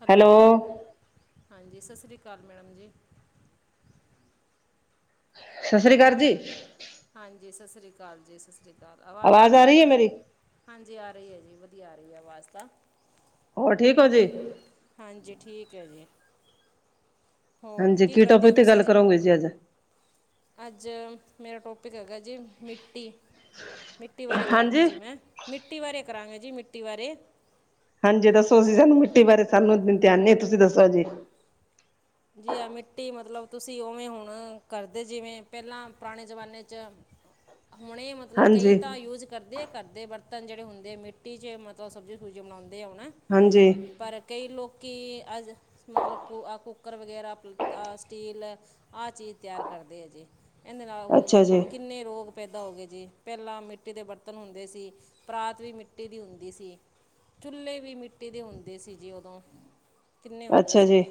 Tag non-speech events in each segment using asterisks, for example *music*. Hello, ਹਾਂਜੀ ਸਤਿ ਸ਼੍ਰੀ ਅਕਾਲ ਮੈਡਮ ਜੀ। ਸਤਿ ਹੈਲੋ, ਸ੍ਰੀ ਅਕਾਲ ਜੀ ਹਾਂਜੀ ਸਤਿ ਸ਼੍ਰੀ ਅਕਾਲ ਜੀ, ਸਤ ਸ਼੍ਰੀ ਸਤੀ ਅਕਾਲ, ਆਵਾਜ਼ ਆਉਂਦੀ ਆ ਪਈ ਰਹੀ ਹੈ ਐ ਜੀ? ਮੇਰੀ ਹਾਂਜੀ ਆ ਰਹੀ ਐ ਜੀ, ਵਧੀਆ ਆ ਰਹੀ ਐ ਆਵਾਜ਼ ਤਾਂ। ਹੋਰ ਠੀਕ ਔ ਜੀ? ਹਾਂਜੀ ਠੀਕ ਐ ਜੀ। ਹੋਰ ਕੀ ਕਰਦੇ ਹੋ ਤੁਸੀਂ ਜੀ? ਜਦ ਅੱਜ, ਮੇਰਾ ਟੋਪਿਕ ਹੈਗਾ ਜੀ। ' ਮਿੱਟੀ' ਮਿੱਟੀ ਬਾਰੇ ਹਾਂਜੀ ਕਰਾਂਗੇ ਜੀ ਮੈਂ। ਮਿੱਟੀ ਬਾਰੇ, ਕਰਾਂਗੇ ਜੀ ਮਿੱਟੀ ਬਾਰੇ। ਹਾਂਜੀ, ਦੱਸੋ ਤੁਸੀਂ ਦਸੋ ਸਾਨੂੰ। ਮਿੱਟੀ ਬਾਰੇ, ਸਾਨੂੰ ਧਿਆਨ ਨੀ ਤੁਸੀਂ ਦੱਸੋ ਜੀ। ਜੀ ਹਾ ਮਿੱਟੀ, ਮਤਲਬ ਤੁਸੀਂ ਉਵੇਂ ਹੁਣ ਕਰਦੇ, ਜਿਵੇਂ ਪਹਿਲਾਂ ਪੁਰਾਣੇ ਜ਼ਮਾਨੇ 'ਚ ਹੁਣੇ ਮਤਲਬ ਮਤਲਬ, ਕਈ ਹਾਂਜੀ ਤਾਂ ਯੂਜ ਕਰਦੇ, ਘਰ ਦੇ ਬਰਤਨ ਜਿਹੜੇ ਹੁੰਦੇ ਮਿੱਟੀ 'ਚ, ਮਤਲਬ ਸਬਜ਼ੀ- ਸੁਬਜ਼ੀ ਬਣਾਉਂਦੇ ਹੁਣ। ਹਾਂਜੀ। ਪਰ ਕਈ ਲੋਕੀ ਅੱਜ, ਮਤਲਬ ਕੁ ਆ ਕੁ ਕੁੱਕਰ ਵਗੈਰਾ ਆ ਸਟੀਲ ਐ ਆਹ ਚੀਜ਼ ਤਿਆਰ ਕਰਦੇ ਹੈ ਜੀ ਇਹਦੇ ਨਾਲ ਉਹ ਅੱਛਾ ਜੀ ਕੀ- ਕਿੰਨੇ ਰੋਗ ਪੈਦਾ ਹੋ ਗਏ ਜੀ, ਪਹਿਲਾਂ ਮਿੱਟੀ ਦੇ ਬਰਤਨ ਹੁੰਦੇ ਸੀ। ਪਰਾਤ ਵੀ ਮਿੱਟੀ ਦੀ ਹੁੰਦੀ ਸੀ। ਚੁਲੇ ਵੀ ਮਿੱਟੀ ਦੇ ਹੁੰਦੇ ਸੀ ਜੀ ਉਦੋਂ ਕਿੰਨੇ ਹੁੰਦਾ ਅੱਛਾ ਸੀ। ਜੀ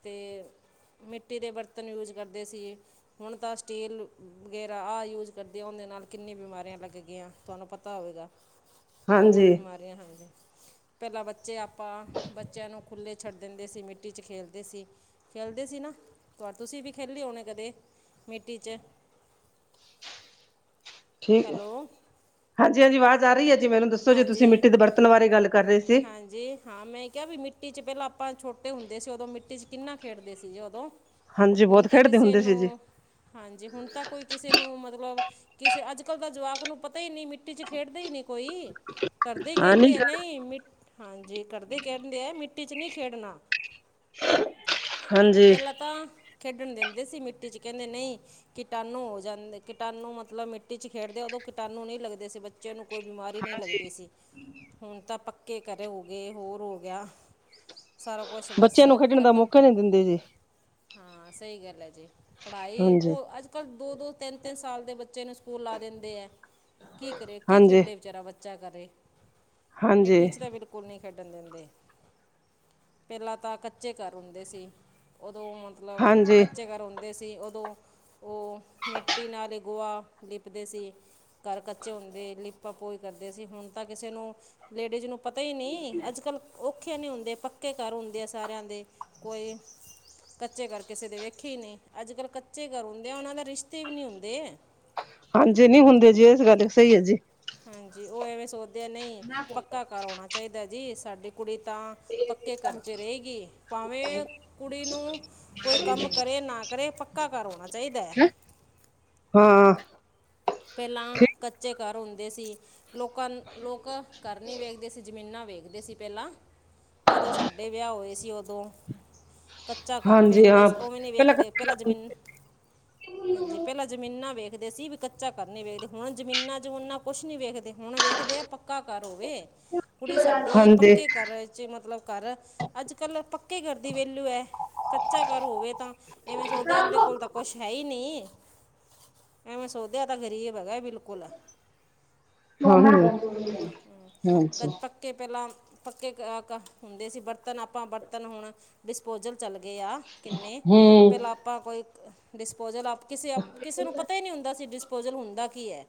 ਅਤੇ ਮਿੱਟੀ ਦੇ ਬਰਤਨ ਯੂਜ ਕਰਦੇ ਸੀਗੇ। ਹੁਣ ਤਾਂ ਸਟੀਲ ਵਗੈਰਾ ਆਹ ਯੂਜ ਕਰਦੇ ਉਹਦੇ ਨਾਲ ਕਿੰਨੀ ਬਿਮਾਰੀਆਂ ਲੱਗ ਗਈਆਂ, ਤੁਹਾਨੂੰ ਪਤਾ ਹੋਵੇਗਾ। ਬਹੁਤ ਹਾਂਜੀ ਬਿਮਾਰ, ਹਾਂ ਪਹਿਲਾਂ ਬੱਚੇ ਆਪਾਂ ਬੱਚਿਆਂ ਨੂੰ ਖੁੱਲੇ ਛੱਡ ਦਿੰਦੇ ਸੀ ਮਿੱਟੀ ਚ ਖੇਲ ਦੇ ਸੀ ਖੇਲਦੇ ਸੀ ਨਾ ਪਰ ਤੁਸੀਂ ਵੀ ਖੇਲੇਓਣੇ ਕਦੇ, ਮਿੱਟੀ ਚ- ਠੀਕ ਹੈਲੋ ਹਾਂਜੀ- ਹਾਂਜੀ ਆਵਾਜ਼ ਆ ਰਹੀ ਹੈ ਜੀ ਮੈਨੂੰ ਦੱਸੋ ਜੇ ਤੁਸੀਂ ਹਾਂਜੀ ਮਿੱਟੀ ਦੇ ਬਰਤਨ ਬਾਰੇ ਗੱਲ ਕਰ ਰਹੇ ਸੀ। ਹਾਂਜੀ ਹਾਂ ਮੈਂ ਕਿਹਾ ਵੀ ਮਿੱਟੀ ਚ ਪਹਿਲਾਂ ਆਪਾਂ ਛੋਟੇ ਹੁੰਦੇ ਸੀ ਉਦੋਂ ਮਿੱਟੀ ਚ ਕਿੰਨਾ ਖੇਡਦੇ ਸੀਗੇ ਉਦੋਂ। ਹਾਂਜੀ ਹੁਣ ਬਹੁਤ ਤਾਂ ਖੇਡਦੇ ਕਿਸੇ ਹੁੰਦੇ ਸੀ ਨੂੰ ਜੀ ਹਾਂਜੀ, ਹੁਣ ਤਾਂ ਕੋਈ ਕਿਸੇ ਨੂੰ ਮਤਲਬ ਕਿਸੇ ਅੱਜ ਅਕਲ ਦਾ ਜਵਾਕ ਨੂੰ ਪਤਾ ਹੀ ਨਹੀਂ ਮਿੱਟੀ ਚ ਖੇਡਦੇ ਹੀ ਨਹੀਂ ਕੋਈ ਘਰਦੇ ਹੀ ਹਾਂ ਨੀ ਕਹਿੰਦੇ ਆ ਨਹੀਂ ਮ- ਹਾਂਜੀ ਘਰਦੇ ਕਹਿਦੇ ਆ ਮਿੱਟੀ ਚ ਨਹੀਂ ਖੇਡਣਾ। ਹਾਂਜੀ ਪਹਿਲਾਂ ਤਾਂ ਹੀ, ਖੇਡਣ ਦਿੰਦੇ ਸੀ ਮਿੱਟੀ ਚ ਕਹਿੰਦੇ ਨਹੀਂ, ਕੀਟਾਣੂ ਹੋ ਜਾਂਦੇ ਕੀਟਾਣੂ ਮਤਲਬ ਮਿੱਟੀ ਮਟੀ ਚ ਖੇਡਦੇ ਉਦੋਂ ਕੀਟਾਣੂ ਨਹੀਂ ਲੱਗਦੇ ਸੀ, ਬੱਚਿਆਂ ਨੂੰ ਕੋਈ ਬਿਮਾਰੀ ਨ ਨਹੀਂ ਹਾਂਜੀ ਲੱਗਦੀ ਸੀ। ਹੁਣ ਤਾਂ ਪੱਕੇ ਘਰੇ ਗੇਏ, ਹੋਰ ਹੋ ਗਿਆ। ਸਾਰਾ ਕੁਛ ਬਸ ਬੱਚਿਆਂ ਨੂੰ ਖੇਡਣ ਦਾ ਖਤਮ। ਮੌਕਾ ਨਹੀਂ ਦਿੰਦੇ ਜੀ ਹਾਂ ਸਹੀ ਗੱਲ ਹੈ ਜੀ, ਪੜਾਈ ਹਾਂਜੀ ਉਹ ਅੱਜ ਕੱਲ ਦੋ- ਦੋ ਤਿੰਨ- ਤਿੰਨ ਸਾਲ ਦੇ ਬੱਚੇ ਨੂੰ ਸਕੂਲਾ ਲਾ ਦਿੰਦੇ ਹੈ, ਕੀ ਕਰੇ, ਕੀ ਹਾਂਜੀ ਖੇਡੇ ਵਿਚਾਰਾ ਬੱਚਾ ਕਰੇ। ਹਾਂਜੀ ਮਿੱਟੀ 'ਚ ਤਾਂ ਬਿਲਕੁਲ ਨਹੀਂ ਖੇੱਡਣ ਦਿੰਦੇ। ਪਹਿਲਾਂ ਤਾਂ ਕੱਚੇ ਘਰ ਹੁੰਦੇ ਸੀ ਉਦੋਂ ਮਤਲਬ ਹਾਂਜੀ ਕੱਚੇ ਘਰ ਹਉਦੇ ਸੀ ਉਦੋਂ ਉਹ ਮਿੱਟੀ ਨਾਲ ਹੀ ਗੋਆ ਲਿੱਪਦੇ ਸੀ। ਘਰ ਕੱਚੇ ਹੁੰਦੇ ਲਿਪਾਂ- ਪੋਈ ਕਰਦੇ ਸੀ, ਹੁਣ ਤਾਂ ਕਿਸੇ ਨੂੰ ਲੇਡੀਜ਼ ਨੂੰ ਪਤਾ ਹੀ ਨਹੀਂ, ਅੱਜ ਕੱਲ ਔਖੇ ਨੀ ਹੁੰਦੇ ਪੱਕੇ ਘਰ ਹੁੰਦੇ ਆ ਸਾਰਿਆਂ ਦੇ, ਕੋਈ ਕੱਚੇ ਘਰ ਕਿਸੇ ਦੇ ਵੇਖੇ ਹੀ ਨਹੀਂ, ਅੱਜ ਕੱਲ ਕੱਚੇ ਘਰ ਹੁੰਦੇ ਆ ਉਹਨਾਂ ਦੇ ਰਿਸ਼ਤੇ ਵੀ ਨਹੀਂ ਹੁੰਦੇ ਹੈ। ਹਾਂਜੀ ਨੀ ਹੁੰਦੇ ਜੀ ਇਸ ਗੱਲ ਸਹੀ ਹੈ ਜੀ। ਹਾਂਜੀ ਉਹ ਐਵੇਂ ਸੋਚਦੇ ਆ ਨਹੀਂ ਪੱਕਾ ਕਰ ਆਉਣਾ ਚਾਹੀਦਾ ਜੀ, ਸਾਡੀ ਕੁੜੀ ਤਾਂ ਪੱਕੇ ਘਰਚੇ ਰਹੇਗੀ, ਭਾਵੇਂ ਕੁੜੀ ਨੂੰ ਕੋਈ ਕੰਮ ਕਰੇ ਨਾ ਕਰੇ ਪੱਕਾ ਘਰ ਆਉਣਾ ਚਾਹੀਦਾ ਹੈ। ਹੂੰ। ਪਹਿਲਾਂ ਕੱਚੇ ਘਰ ਹੁੰਦੇ ਸੀ। ਲੋਕਾਂ ਲੋਕ ਘਰ ਨਹੀਂ ਵੇਖਦੇ ਸੀ ਜ਼ਮੀਨਾਂ ਵੇਖਦੇ ਸੀ ਪਹਿਲਾਂ। ਜਦੋਂ ਸਾਡੇ ਵਿਆਹ ਹੋਏ ਸੀ ਉਦੋਂ, ਕੱਚਾ ਘਰ ਹਾਂਜੀ ਵੇਖਦੇ ਹਾਂ ਸੀ ਉਵੀ ਨੀ ਪਹਿਲਾਂ ਵੇਖਦੇ ਪਹਿਲਾਂ ਹਾਂਜੀ ਜ਼ਮੀਨ, ਹਾਂਜੀ ਪਹਿਲਾਂ ਜਮੀਨਾਂ ਵੇਖਦੇ ਸੀ ਬੀ ਕੱਚਾ ਘਰ ਨੀ ਵੇਖਦੇ ਹੁਣ ਜਮੀਨਾ-ਜਮੁਨਾ ਕੁਛ ਨੀ ਵੇਖਦੇ। ਹੁਣ ਵੇਖਦੇ ਆ ਪੱਕਾ ਘਰ ਹੋਵੇ, ਕੁੜੀ ਸਾਡੀ ਪੱਕੇ ਹਾਂ ਘਰ ਰਿ ਕੱਚੇ ਮਤਲਬ ਘਰ, ਅੱਜ ਕੱਲ੍ਹ ਪੱਕੇ ਘਰ ਦੀ ਵੇਲੂ ਐ। ਕੱਚਾ ਘਰ ਹੋਵੇ ਤਾਂ, ਇਵੇਂ ਸੋਚਦੇ ਇਹਦੇ ਕੋਲ ਤਾਂ ਕੁਛ ਹੈ ਹੀ ਨੀ। ਈਵੇਂ ਸੋਚ ਦੇ ਆ ਤਾਂ ਗਰੀਬ ਹੈਗਾ ਬਿਲਕੁਲ। ਤੇ ਹਾਂਜੀ ਲੈ, ਹੂੰ ਪਰ ਪਕ ਪੱਕੇ ਪਹਿਲਾਂ ਪੱਕੇ ਘਰ ਹੁੰਦੇ ਸੀ ਬਰਤਨ ਆਪਾਂ ਬਰਤਨ ਹੁਣ ਡਿਸਪੋਜਲ ਚੱਲ ਗਏ ਆ ਕਿੰਨੇ, ਹੂੰ ਪਹਿਲਾਂ ਆਪਾਂ ਕੋਈ, ਡਿਸਪੋਜਲ ਆਪ ਕਿਸੇ ਅਪ ਕਿਸੇ ਨੂੰ ਪਤਾ ਹੀ ਨਹੀਂ ਹੁੰਦਾ ਸੀ ਡਿਸਪੋਜਲ ਹੁੰਦਾ ਕੀ ਐ।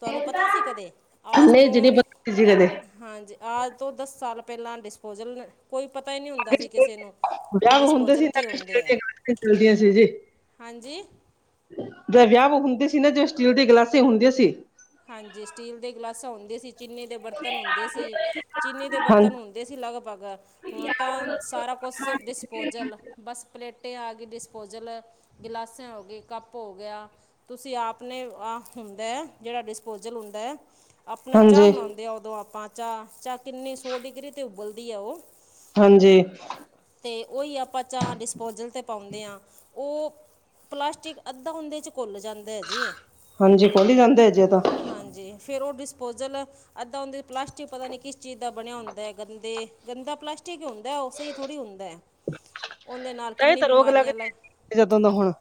ਤੁਹਾਨੂੰ ਪਤਾ ਸੀ ਕਦੇ, ਆਜ ਨਹੀਂ ਤੋਂ ਜੀ ਨਹੀਂ ਪਤਾ ਜੀ ਕਦੇ ਹਾਂਜੀ ਆਜ ਤੋਂ ਦਸ ਸਾਲ ਪਹਿਲਾਂ ਡਿਸਪੋਜਲ ਕੋਈ ਪਤਾ ਹੀ ਨਹੀਂ ਹੁੰਦਾ ਸੀ ਕਿਸੇ ਨੂੰ ਵੀ ਵਿਆਹ ਹੁੰਦੇ ਡਿਸਪੋਜਲ ਸੀ ਨਾ ਕੀ ਸਟੀਲ ਹੁੰਦੇ ਐ। ਦੀਆਂ ਗਲਾਸਾਂ ਚਲਦੀਆਂ ਹਾਂਜੀ। ਜਦ ਵਿਆਹ-ਵੁਹ ਹੁੰਦੇ ਸੀ ਨਾ ਜੀ ਸਟੀਲ ਦੀ ਗਲਾਸੀ ਹੁੰਦੀਆਂ ਸੀ ਹਾਂਜੀ ਸਟੀਲ ਦੇ ਗਿਲਾਸਾਂ ਹੁੰਦੇ ਸੀ ਚੀਨੀ ਦੇ ਬਰਤਨ ਹੁੰਦੇ ਸੀ, ਚੀਨੀ ਦੇ ਹਾਂ ਬਰਤਨ ਹੁਣ ਦੇ ਸੀ ਲਗਭਗ, ਹੁਣ ਤਾਂ ਸਾਰਾ ਕੁਛ ਡਿਸਪੋਜਲ ਬਸ ਪਲੇਟ ਟੇ ਆਗੀ ਡਿਸਪੋਜ਼ਲ, ਗਿਲਾਸ ਹੋਗੀ, ਕੱਪ ਹੋ ਗਿਆ ਤੁਸੀਂ ਆਪ ਨੇ ਆਹ ਹੁੰਦਾ ਐ ਜਿਹੜਾ ਡਿਸਪੋਜਲ ਹੁੰਦਾ ਐ, ਆਪਣਾ ਚਾਹ ਹਾਂਜੀ ਬਣਾਉਂਦੇ ਆ ਉਦੋਂ ਆਪਾਂ ਚਾਹ -ਚਾਹ ਕਿੰਨੀ ਸੌ ਡਿਗਰੀ ਤੇ ਉਬਲਦੀ ਐ ਉ ਹਾਂਜੀ। ਤੇ ਉਈ ਆਪਾਂ ਚਾਹ ਡਿਸਪੋਜਲ 'ਤੇ ਪਾਉਂਦੇ ਆ ਉ ਪਲਾਸਟਿਕ ਅੱਧਾ ਔਂਦੇ'ਚ ਘੁੱਲ ਜਾਂਦਾ ਜੀ। ਹਾਂਜੀ ਘੁਲ ਜਾਂਦਾ ਏਜੇ ਤਾਂ। ਹਾਂਜੀ ਫਿਰ ਉਹ ਡਿਸਪੋਜ਼ਲ ਅੱਧਾ ਊਂਦੇ ਪਲਾਸਟਿਕ ਪਤਾ ਨੀ ਕਿਸ ਚੀਜ਼ ਦਾ ਬਣਿਆ ਹੁੰਦਾ ਗੰਦੇ -ਗੰਦਾ ਪਲਾਸਟਿਕ ਈ ਹੁੰਦਾ ਉਹ ਸਹੀ ਸਹੀ ਥੋੜ੍ਹਾ ਹੁੰਦਾ, ਉਂਦੇ ਨਾਲ ਇਹ ਕਿੰਨੀਆਂ ਤਾਂ ਰੋਗ ਬਿਮਾਰੀਆਂ ਲੱਗਦੀ ਲੱਗ ਜਦੋਂ ਦਾ ਹੁਣ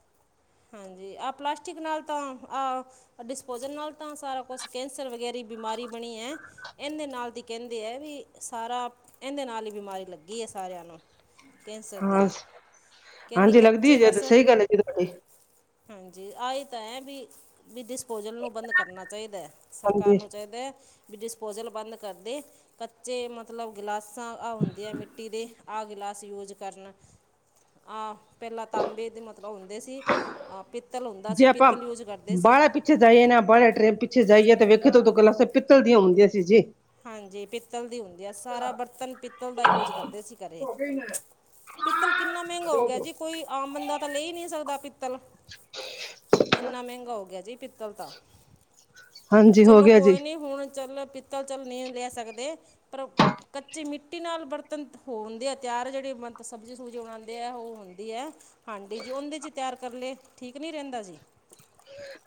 ਹਾਂਜੀ ਆਹ ਪਲਾਸਟਿਕ ਨਾਲ ਤਾਂ ਆਹ ਡਿਸ ਪੋਜਨ ਨਾਲ ਤਾਂ ਸਾਰਾ ਕੁਛ ਕੈਂਸਰ ਵਗੈਰਾ ਬਿਮਾਰੀ ਬਣੀ ਐ। ਏੰਦੇ ਨਾਲ ਦੀ ਕਹਿੰਦੇ ਐ ਵੀ ਸਾਰਾ ਏਂਦੇ ਨਾਲ ਈ ਬਿਮਾਰੀ ਲੱਗੀ ਐ ਸਾਰਿਆਂ ਨੂੰ। ਕੈਂਸਰ ਹਾਂ ਦੇ, ਕਹਿੰਦੇ ਹਾਂਜੀ ਕੱਚੇ ਲੱਗਦੀ ਹੈ ਜੇ ਬਸ ਸਹੀ ਗੱਲ ਹੈ ਜੀ ਤੁਹਾਡੀ ਹਾਂਜੀ ਆ ਹੀ ਤਾਂ ਐ ਵੀ ਵੀ ਡਿਸਪੋਜਲ ਨੂੰ ਬੰਦ ਕਰਨਾ ਚਾਹੀਦਾ ਐ। ਸਰਕਾਰ ਹਾਂਜੀ ਨੂੰ ਚਾਹੀਦੇ ਵੀ ਡਿਸਪੋਜ਼ਲ ਬੰਦ ਕਰਦੇ ਕ ਚੇ ਮਤਲਬ ਗਿਲਾਸਾਂ ਆ ਹੁੰਦੇ ਆ ਮਿੱਟੀ ਦੇ ਆਹ ਗਲਾਸ ਯੂਜ ਕਰਨ, ਆ ਪਹਿਲਾਂ ਤਾਂਬੇ ਦੇ ਮਤਲਬ ਹੁੰਦੇ ਸੀ ਪਿੱਤਲ ਹੁੰਦਾ ਸੀ ਜੇ ਆਪਾਂ ਪਿੱਤਲ ਯੂਜ ਕਰਦੇ ਸੀ ਬਾਹਲਾ ਪਿੱਛੇ ਜਾਈਏ ਨਾ ਬਾਹ ਟ੍ਰਰੇਨ ਪਿੱਛੇ ਜਾਈਏ ਤੇ ਵੇਖੇ ਤਾਂ ਉਦੋਂ ਗਲਾਸਾ ਪਿੱਤਲ ਦੀਆਂ ਹੁੰਦੀਆਂ ਸੀ ਜੀ। ਹਾਂਜੀ ਪਿੱਤਲ ਦੀ ਹੁੰਦੀ ਆ ਸਾਰਾ ਬਰਤਨ ਪਿੱਤਲ ਦਾ ਯੂਜ ਕਰਦੇ ਸੀ ਘਰੇ ਪਿੱਤਲ ਕਿੰਨਾ ਮਹਿੰਗਾ ਹੋ ਗਿਆ ਜੀ ਕੋਈ ਆਮ ਬੰਦਾ ਤਾਂ ਲੈ ਨੀ ਸਕਦਾ ਪਿੱਤਲ। ਇੰਨਾ ਮਹਿੰਗਾ ਹੋਗਿਆ ਜੀ ਪਿੱਤਲ ਤਾਂ। ਹਾਂਜੀ ਹੋ ਚਲੋ ਗਿਆ ਜੀ ਕੋਈ ਨੀ ਹੁਣ ਚੱਲ ਪਿੱਤਲ ਚੱਲ ਨਈ ਲੈ ਸਕਦੇ ਪਰ ਕੱਚੀ ਮਿੱਟੀ ਨਾਲ ਬਰਤਨ ਹੋ ਹੁੰਦੇ ਆ ਤਿਆਰ ਜਿਹੜੀ ਮ ਸਬਜ਼ੀ-ਸੁਬਜ਼ੀ ਬਣਾਉਂਦੇ ਆ ਉਹ ਹੁੰਦੀ ਐ ਹਾਂਜੀ ਜੀ ਉੰਦੇ ਚ ਤਿਆਰ ਕਰ ਲਏ ਠੀਕ ਨੀ ਰਹਿੰਦਾ ਜੀ।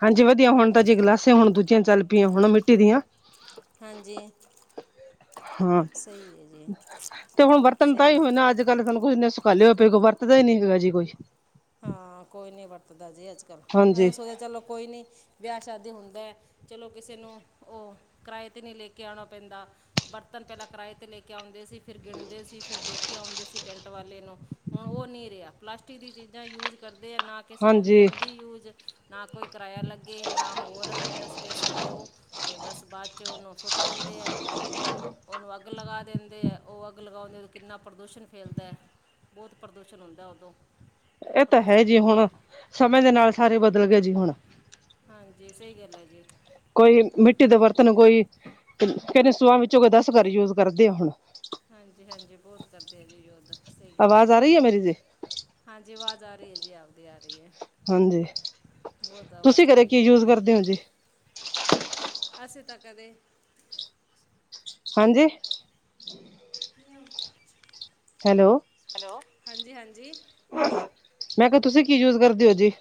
ਹਾਂਜੀ ਵਧੀਆ ਹੁਣ ਤਾਂ ਜੇ ਗਲਾਸੇ ਹੁਣ ਦੂਜੀਆਂ ਚੱਲ ਪਈਆਂ ਹੁਣ ਮਿੱਟੀ ਦੀਆਂ। ਹਾਂਜੀ ਹਾਂ। ਸਹੀ ਹੈ ਜੀ ਤੇ ਹੁਣ ਬਰਤਨ ਤਾਂ ਸਹੀ ਹੀ ਹੈ ਹੋਏ ਨਾ ਅੱਜ। ਗੱਲ ਸਾਨੂੰ ਕੁਛੇ ਸੁਖਾਲਿਆ ਹੋ ਪਏ ਵਰਤਦਾ ਨੀ ਹੈਗਾ ਜੀ ਕੁਛ। ਹਾਂ। ਕੋਈ ਨੀ ਵਰਤਦਾ ਜੇ ਅੱਜ ਕੱਲ, ਹਾਂਜੀ ਐਵੇਂ ਸੋਚਿਆ ਚਲੋ ਕੋਈ ਨੀ। ਵਿਆਹ ਸ਼ਾਦੀ ਹੁੰਦਾ ਐ, ਚਲੋ ਕਿਸੇ ਨੂੰ ਉਹ, ਕਿਰਾਏ ਤੇ ਨੀ ਲੈ ਕੇ ਆਣਾ ਪੈਂਦਾ। ਬਰਤਨ ਪਹਿਲਾਂ ਕਿਰਾਏ ਤੇ ਲੈ ਕੇ ਆਉਂਦੇ ਸੀ ਫਿਰ ਗਿਣਦੇ ਸੀ ਫਿਰ ਦੇਕੇ ਆਉਂਦੇ ਸੀ ਟੈਂਟ ਵਾਲੇ ਨੂੰ। ਹੁਣ ਉਹ ਨੀ ਰਿਹਾ। ਪਲਾਸਟਿਕ ਦੀ ਚੀਜ਼ਾਂ ਯੂਜ ਕਰਦੇ ਆ ਨਾ ਕਿਸੇ ਨੂੰ ਹਾਂਜੀ ਲੈਣ ਦੀ ਯੂਜ ਨਾ ਕੋਈ ਕਿਰਾਇਆ ਲੱਗੇ, ਨਾ ਹੋਰ, ਬਸ ਪੈਸੇ ਦਿਓ ਤੇ ਬਸ ਬਾਅਦ ਚ' ਉਹਨੂੰ ਸੁੱਟ ਦਿੰਦੇ ਐ, ਉਹ ਉਹਨੂੰ ਅੱਗ ਲਗਾ ਦਿੰਦੇ ਐ, ਉਹ ਅੱਗ ਲਗਾਉਂਦੇ ਕਿੰਨਾ ਪ੍ਰਦੂਸ਼ਣ ਫੈਲਦਾ। ਬੋਤ ਪ੍ਰਦੂਸ਼ਣ ਹੁੰਦਾ ਉਦੋਂ। ਇਹ ਤਾਂ ਹੈ ਪ੍ਰਦੂਸ਼ਣ ਵੀ ਜੀ ਬਹੁਤ ਹੁਣ, ਜ਼ਿਆ- ਸਮੇਂ ਦੇ ਨਾਲ ਸਾਰੇ ਬਦਲ ਗੇ ਜੀ ਹੁਣ। ਹਾਂਜੀ। ਸਹੀ ਗੱਲ ਐ ਜੀ। ਕੋਈ ਮਿੱਟੀ ਦੇ ਬਰਤਨ, ਕੋਈ ਕਹਦੇ ਸੋਹਾਂ ਵਿੱਚੋਂ ਦਸ ਕਰਰ ਯੂਜ ਕਰਦੇ ਆ ਹੁਣ। ਹਾਂਜੀ-ਹਾਂਜੀ ਬੋਤ ਕਰਦੇ ਆ ਜੀ ਯੋਧ, ਸਹੀ ਗੱਲ ਐ। ਆਵਾਜ਼ ਆ ਰਹੀ ਹੈ ਮੇਰੀ ਜੀ ਹਾਂਜੀ ਆਵਾਜ਼ ਆ ਰਈ ਐ ਜੀ ਆਪਦੀ ਆ ਰਈ ਐ। ਹਾਂਜੀ। ਤੁਸੀਂ ਘਰੇ ਰਹੀ ਹੈ ਕੀ ਯੂਜ ਵਧੀਆ ਕਰਦੇ ਓ ਜੀ? ਅਸੀਂ ਤਾਂ ਕਦੇ ਹਾਂਜੀ। ਯੂਜ ਹੈਲੋ, ਹੈਲੋ, ਹਾਂਜੀ-ਹਾਂਜੀ। ਮੈਂ ਕਿਹਾ, ਤੁਸੀਂ ਕੀ ਯੂਜ ਕਰਦੇ ਹੋ ਜੀ?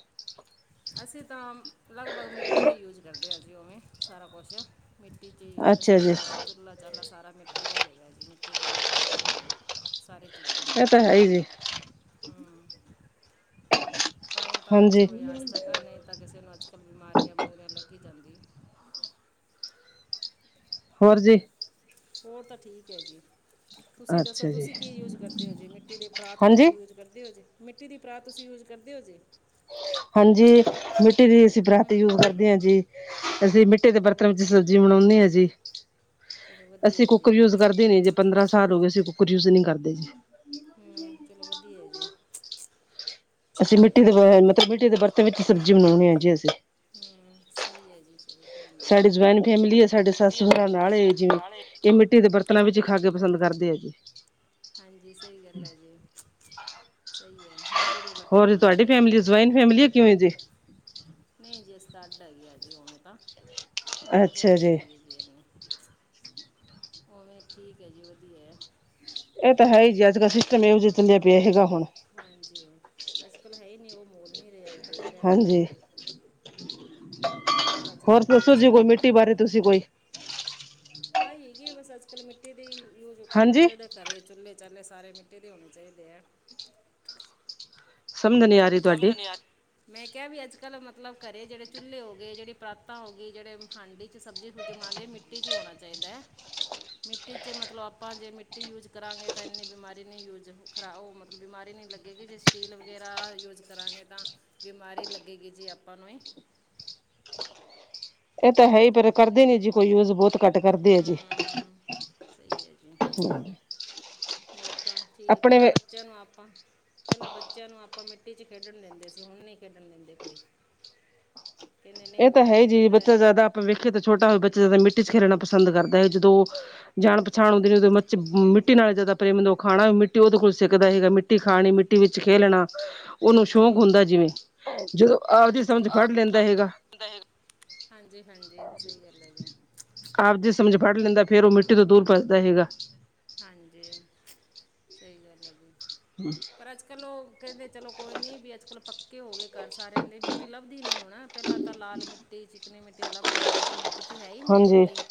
ਅਸੀਂ ਤਾਂ ਲਗਭਗ ਮਿੱਟੀ ਦੇ ਯੂਜ ਕਰਦੇ ਹਾਂ ਜੀ ਉਵੇਂ ਸਾਰਾ ਕੁਛ। ਮਿੱਟੀ 'ਚ ਅੱਛਾ ਇਸਦਾ ਜੀ, ਸਡਾ ਦਾੁ ਚੁਲਾ- ਚਾਲਾ ਸਾਰਾ ਮਿੱਟੀ ਦਾ ਹੀ ਹੈਗਾ ਜੀ ਮਿੱਟੀ ਦਾ ਯੂਜ ਕਰਦੇ ਹੋਵੇਂ ਸਾਰੇ ਚੀਜ਼ਾਂ। ਇਹ ਤਾਂ ਹੈ ਹੀ ਜੀ, ਹੂੰ ਤਾਂ ਹੀ ਤਾਂ ਬਚੇ ਹਾਂਜੀ ਹੋਏ ਅੱਜ ਤੱਕ ਨਹੀਂ ਤਾਂ ਕਿਸੇ ਨੂੰ ਅੱਜ ਕੱਲ ਬਿਮਾਰੀਆਂ- ਮੂੜਿਆਂ ਲੱਗੀ ਜਾਂਦੀ। ਹੋਰ ਜੀ। ਹੋਰ ਤਾਂ ਠੀਕ ਹੈ ਜੀ। ਤੁਸੀਂ ਦੱਸੋ ਅੱਛਾ ਜੀ, ਤੁਸੀਂ ਕੀ ਯੂਜ ਕਰਦੇ ਹੋ ਜੇ ਮਿੱਟੀ ਦੇ ਪ੍ਰਰਾਤਤ ਹਾਂਜੀ ਯੂਜ ਕਰਦੇ ਹੋ ਜੇ ਮਿੱਟੀ ਦੀ ਪਰਾਤ ਤੁਸੀਂ ਯੂਜ ਕਰਦੇ ਹੋ ਜੀ? ਹਾਂਜੀ, ਮਿੱਟੀ ਦੀ ਅਸੀਂ ਹੂੰ ਬਰਾਤੀ ਯੂਜ ਕਰਦੇ ਹਾਂ ਜੀ। ਅਸੀਂ ਮਿੱਟੀ ਦੇ ਬਰਤਨ ਹੋਰ ਵਿੱਚ ਸਬਜ਼ੀ ਬਣਾਉਦੇ ਹਾਂ ਜੀ। ਚਲੋ ਅਸੀਂ ਵਧੀਆ ਜੀ ਕੁੱਕਰ ਯੂਜ ਕਰਦੇ ਨੀ ਜੇ ਪੰਦਰਾਂ ਸਾਲ ਹੋ ਗਏ ਅਸੀਂ ਕੁੱਕਰ ਯੂਜ ਨਹੀਂ ਕਰਦੇ ਜੀ। ਹੂ, ਚਲੋ ਵਧੀਆ ਜੀ। ਅਸੀਂ ਸਹੀ ਮਿੱਟੀ ਹੈ ਦੇ ਮਤਲਬ ਮਿੱਟੀ ਦੇ ਬਰਤਨ ਵਿੱਚ ਸਬਜੀ ਬਣਾਉਣੀ ਆ ਜੀ ਅਸੀਂ। ਹੂ, ਸਹੀ ਹੈ ਜੀ ਸਹੀ। ਹਾਂਜੀ ਸਾਡੀ ਜੁਆਇੰਟ ਫੈਮਿਲੀ ਆ ਸਾਡੇ ਸੱਸ ਸਹਰਾ ਨਾਲ, ਜਿਵੇਂ ਸਸੁਰਾਲੇ ਇਹ ਮਿੱਟੀ ਦੇ ਇਹ ਬਰਤਨਾਂ ਵਿੱਚ ਮਿੱਟੀ ਦੇ ਖਾ ਕੇ ਪਸੰਦ ਕਰਦੇ ਆ ਜੀ। ਹਾਂਜੀ, ਸਹੀ ਗੱਲ ਹੈ ਜੀ, ਸਹੀ ਹੈ ਮਿੱ ਹੋਰ ਜੇ ਤੁਹਾਡੀ ਫੈਮਿਲੀ ਸਵਾਇਨ ਫੈਮਿਲੀ ਆ ਕਿਵੇਂ ਜੇ ਨਹੀਂ ਜੀ ਅਸੀ ਤਾਂ ਅੱਡ ਹੈਗੀ ਆ ਜੀ ਤਾਂ ਅੱਛਾ ਜੁਆਇਨ ਜੀ। ਨਹੀ ਹੈਗੀ। ਉਵੇ ਠੀਕ ਹੈ, ਜੀ ਵਧੀਆ ਹੈ। ਇਹ ਤਾਂ ਹੈ ਹੀ ਜੀ ਅੱਜ ਕੱਲ੍ਹ ਸਿਸਟਮ ਇਹੋ ਜਿ ਚੱਲਿਆ ਹੂੰ ਪਿਆ ਹੈਗਾ ਹੁਣ। ਹਾਂਜੀ। ਅੱਜ ਕੱਲ੍ਹ ਹੈ ਹੀ ਨਹੀਂ ਉਹ ਮੋਲ ਨਹੀਂ ਰਿਹਾ ਇਕੱਠੇ ਲੈਣ ਦਾ ਹਾਂਜੀ, ਪਹਿਲਾਂ ਤਾਂ ਚਲੋ ਹੋਰ ਦੱਸੋ ਨਹੀਂ ਜੀ ਸਾਰਾ ਕੋਈ ਕੁੱਟ ਮਿੱਟੀ ਬਾਰੇ ਤੁਸੀਂ ਕੋਈ। ਆਹ ਹੈਗੀ ਬਸ ਅੱਜ ਕੱਲ ਮਿੱਟੀ ਦੇ ਹੀ ਯੂ ਕਰਨਾ ਹਾਂਜੀ ਚਾਹੀਦਾ ਘਰ। ਚੁੱਲੇ ਚਾਲੇ ਸਾਰੇ ਮਿੱਟੀ ਦੇ ਹੋਣੇ ਚਾਹੀਦੇ ਹ। ਸਮਝ ਨਹੀਂ ਆ ਰਹੀ ਤੁਹਾਡੀ ਸਮਝਣ ਆਦ। *unintelligible* ਮੈਂ ਕਿਹਾ ਵੀ ਅੱਜ ਕੱਲ ਮਤਲਬ ਘਰੇ ਜਿਹੜੇ ਚੁੱਲ੍ਹੇ ਹੋ ਗ ਜਿਹੜੇਰਾਤਾਂ ਹੋ ਗਈ ਜਿਹੜੇ ਹਾਂਡੀ 'ਚ ਸਬਜ਼ੀ ਸੁਬਜ਼ੀ ਬਣਾਉਂ ਲਈ ਮਿੱਟੀ। ਰਟੀ 'ਚ ਹੋਣਾ ਚਾਹੀਦਾ ਹੈ। ਮਿੱਟੀ 'ਚ ਮਤਲਬ ਆਪਾਂ ਜੇ ਮਿੱਟੀ ਯੂਜ ਕਰਾਂਗੇ ਤਾਂ ਇੰਨੀ ਬਿਮਾਰੀ ਨਹੀਂ ਯੂਜ। ਖਰਾਬ ਉਹ ਮਤਲਬ ਬਿਮਾਰੀ ਨਹੀਂ ਲੱਗੇਗੀ ਜੇ ਸਟੀਲ ਵਗੈਰਾ ਯੂਸ। ਕਰਾਂਗੇ ਤਾਂ ਬਿਮਾਰੀ ਲੱਗੇਗੀ ਜੀ ਆਪਾਂ ਨੂੰ ਹੀ। ਇਹ ਤਾਂ ਹੈ ਹੀ ਪਰ ਕਰਦੇ ਨੀ ਜੀ ਕੋਈ ਯੂਜ ਬਹੁਤ। ਘੱਟ ਕਰਦੇ ਆ ਜੀ। ਹੂੰ ਸਹੀ ਹੈ ਜੀ ਹੋਰ ਤਾਂ ਠੀਕ ਹੈ ਆਪਣੇ ਪਹਿਲਾਂ ਬ। ਬੱਚਿਆਂ ਨੂੰ ਆਪਾਂ ਪਹਿਲਾਂ ਬੱਚਿਆਂ ਨੂੰ ਆਪਾਂ ਮਿੱਟੀ ਚ ਖੇਡਣ ਦਿੰਦੇ ਸੀ ਹੁਣ ਨਹੀਂ ਖੇਡਣ ਦਿੰਦੇ ਕੋਈ। *unintelligible* ਨਹੀਂ ਇਹ ਤਾਂ ਮਿੱਟੀ ਹੈ 'ਚ ਜੀ ਖੇਡਦਾ ਬੱਚਾ ਹੈ ਜਿਆਦਾ ਆਪਾਂ ਹੂੰ ਵੇਖੇ ਤਾਂ ਛੋਟਾ ਹੋਵੇ ਬੱਚਾ ਜਿਆਦਾ ਮਿੱਟੀ ਚ ਖੇਲਣਾ ਪਸੰਦ ਕਰਦਾ ਹੈ ਜਦੋਂ। ਜਾਣ ਪਛਾਣ ਆਉਂਦੇ ਨੇ ਉਹਦੇ ਮ ਮ। ਮਿੱਟੀ ਨਾਲ ਜਿਆਦਾ ਪ੍ਰੇਮਦ ਉਹ ਖਾਣਾ ਵੀ ਮਿੱਟੀ ਉਹਦੇ ਕੋਲ ਸਿੱਖਦਾ ਸੀਗਾ ਮਿੱਟੀ ਖਾਣੀ ਮਿੱਟੀ ਵਿੱਚ ਖੇਲਣਾ। ਉਹਨੂੰ ਹਾਂਜੀ ਸ਼ੌਂਕ ਹੁੰਦਾ ਜਿਵੇਂ ਜਦੋਂ ਆਪਦੀ ਹਾਂਜੀ ਸਮਝ ਫੜ ਲੈਂਦਾ ਹੈਗਾ। ਹਾਂਜੀ- ਹਾਂਜੀ ਸਹੀ ਗੱਲ ਹੈ ਜੀ। ਆਪ ਜਿਸ ਸਮਝ ਫੜ ਲੈਂਦਾ ਫੇਰ ਉਹ ਮਿੱਟੀ ਤੋਂ ਦੂਰ ਪਚਦਾ ਹੈਗਾ। ਹਾਂਜੀ, ਸਹੀ ਗੱਲ ਹੈ ਜੀ। ਅੱ *unintelligible* ਪਰ ਅੱਜ ਕੱਲ੍ਹ ਉਹ ਕਹਿੰਦੇ ਚਲੋ ਕੋਈ ਨਹੀਂ ਵੀ ਅੱਜ ਕੱਲ੍ਹ ਪੱਕੇ ਹੋ ਗਏ ਘਰ ਸਾਰਿਆਂ ਦੀ ਮਿੱਟੀ ਲੱਭਦੀ ਨਹੀਂ ਹੋਣਾ। ਪਹਿਲਾਂ ਤਾਂ ਲਾਲ ਮਿੱਟੀ ਚਿਕਨੀ ਮਿੱਟੀ ਲਭ ਜਾਦੀਆਂ ਸੀ। ਹੁਣ ਕਿੱਥੇ ਹੈ ਹੀ ਨਹੀਂ ਹਾਂਜੀ ਮਿੱਟੀ,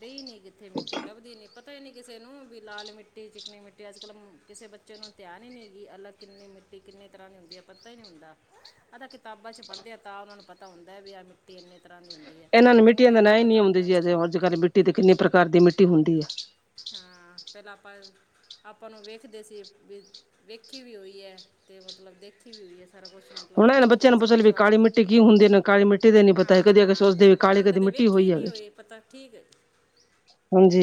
ਰਹੀ ਨਹੀਂ ਕਿੱਥੇ ਮਿੱਟੀ ਲੱਭਦੀ ਨੀ ਪ। ਤਾ ਹੀ ਨੀ ਕਿਸੇ ਨੂੰ ਵੀ ਲਾਲ ਮਿੱਟੀ ਚਿਕਨੀ ਮਿੱਟੀ, ਅੱਜ ਕੱਲ੍ਹ ਕਿਸੇ ਬੱਚੇ ਨੂੰ ਧਿਆਨ ਈਨੀ ਗੀ ਅਲੱ। ਕਿੰਨੀ ਮਿੱਟੀ ਕਿੰਨੀ ਤਰ੍ਹਾਂ ਦੀ ਹੁੰਦੀ ਐ ਪਤਾ ਹੀ ਨਹੀਂ ਹੁੰਦਾ। ਆਤਾ ਕਿਤਾਬਾਂ ਚ ਪੜ੍ਹਦੇ ਆ, ਤਾਂ ਉਹਨਾ ਨੂੰ ਪਤਾ ਹੁੰਦਾ ਹੈ, ਵੀ ਆਹ ਮਿੱਟੀ ਇੰਨੇ ਤਰ੍ਹਾਂ ਦੀ ਹੁੰ। ਇਹਨਾਂ ਨੂੰ ਮਿੱਟੀਆਂ ਦਾ ਨਾਂ ਹੀ ਨੀ ਆਉਂਦੇ ਜੇ, ਅੱਜ ਕੱਲ ਮਿੱਟੀ ਤੇ ਕਿੰਨੀ ਪ੍ਰਕਾਰ ਦੀ ਮਿੱਟੀ ਹੁੰਦੀ ਐ। ਹਾਂ, ਪਹਿਲਾਂ ਆਪਾਂ। ਆਪਾਂ ਨੂੰ ਵੇਖਦੇ ਸੀ ਵੀ ਵੇਖੀ ਵੀ ਹੋਈ ਐ, ਤੇ ਮਤਲਬ ਦੇਖੀ ਵੀ ਹੋਈ ਐ, ਸਾਰਾ ਕੁਛ। ਮਤਲਬ ਇਹਨਾਂ ਹੁਣ ਦੇ ਬੱਚਿਆਂ ਨੂੰ ਅੱਜ ਪੁੱਛ ਕੱਲ੍ਹ ਲਈਏ ਵੀ ਜਆ, ਕਾਲੀ ਮਿੱਟੀ ਕੀ ਹੁੰਦੀ ਨਾ ਕਾਲੀ ਮਿੱਟੀ ਦੇ ਨੀ ਪਤਾ ਹੈ ਕਦੇ ਅਗੇ ਹਾਂ ਸੋਚਦੇ ਵੀ ਉਹਨਾਂ ਕਾਲੀ ਨੇ ਕਦੀ ਕਦੇ ਮਿੱਟੀ ਵੇਖੀ ਹੋਈ ਹੈਗੀ ਨੀ ਹੋਏ। ਪਤਾ ਠੀਕ ਐ। ਹਾਂਜੀ।